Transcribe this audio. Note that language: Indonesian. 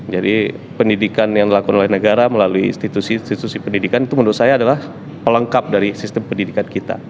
jadi pendidikan yang dilakukan oleh negara melalui institusi institusi pendidikan itu menurut saya adalah pelengkap dari sistem pendidikan kita